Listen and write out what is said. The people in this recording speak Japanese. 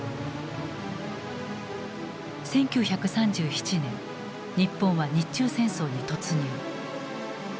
１９３７年日本は日中戦争に突入。